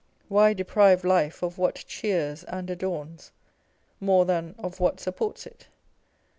Why deprive life of what cheers and adorns, more than of what supports it